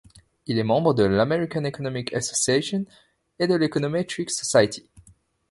Il est membre de l'American Economic Association et de l'Econometric Society.